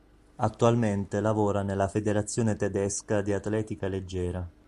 Attualmente lavora nella federazione tedesca di atletica leggera.